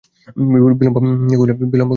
বিল্বন কহিলেন, সে হইতেই পারে না।